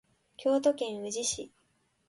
京都府宇治市